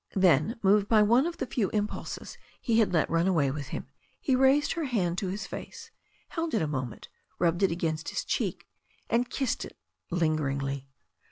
Then, moved by one of the few impulses he had let run away with him, he raised her hand to his face, held it a moment, rubbed it against his cheek, and kissed it lingeringly.